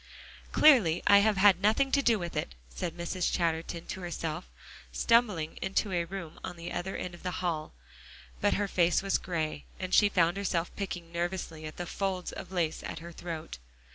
"Clearly I have had nothing to do with it," said Mrs. Chatterton to herself, stumbling into a room at the other end of the hall. But her face was gray, and she found herself picking nervously at the folds of lace at her throat.